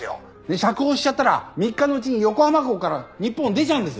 釈放しちゃったら３日のうちに横浜港から日本を出ちゃうんです。